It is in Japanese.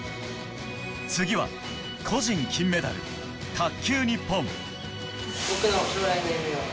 次は個人金メダル、卓球日本。